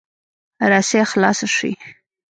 رسۍ خلاصه شي.